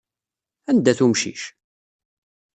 Anda-t umcic?